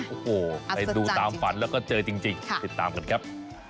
โอ้โหไปดูตามฝันแล้วก็เจอจริงติดตามกันครับ